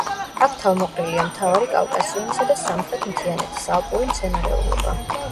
აქ თავმოყრილია მთავარი კავკასიონისა და სამხრეთ მთიანეთის ალპური მცენარეულობა.